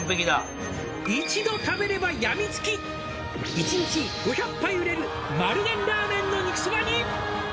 「１日５００杯売れる丸源ラーメンの肉そばに」